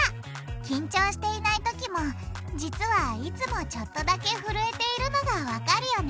緊張していないときも実はいつもちょっとだけふるえているのがわかるよね！